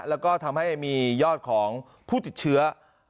แล้วก็ทำให้มียอดของผู้ติดเชื้อ